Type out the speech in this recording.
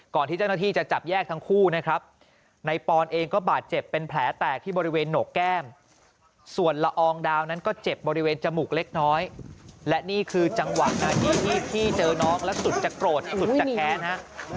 ที่เจ้าหน้าที่จะจับแยกทั้งคู่นะครับในปอนเองก็บาดเจ็บเป็นแผลแตกที่บริเวณหนกแก้มส่วนละอองดาวนั้นก็เจ็บบริเวณจมูกเล็กน้อยและนี่คือจังหวะนาทีที่พี่เจอน้องแล้วสุดจะโกรธสุดจะแค้นฮะ